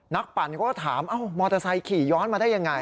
ปั่นเขาก็ถามมอเตอร์ไซค์ขี่ย้อนมาได้ยังไง